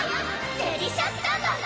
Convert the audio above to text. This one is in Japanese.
デリシャスタンバイ！